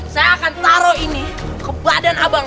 saya akan taruh ini ke badan abang